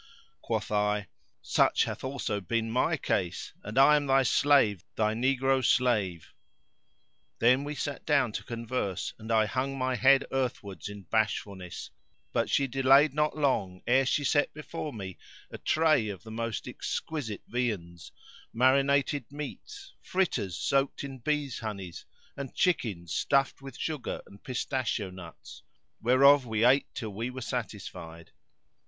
Quoth I, "Such hath also been my case: and I am thy slave, thy negro slave." Then we sat down to converse and I hung my head earthwards in bashfulness, but she delayed not long ere she set before me a tray of the most exquisite viands, marinated meats, fritters soaked in bee's[FN#536] honeys and chickens stuffed with sugar and pistachio nuts, whereof we ate till we were satisfied.